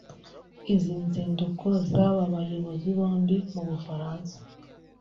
Izi nzinduko z’aba bayobozi bombi mu Bufaransa